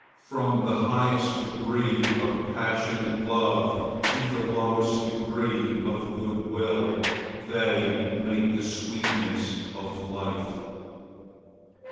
From the highest degree of passionate love to the lowest degree of good will, they make the sweetness of life.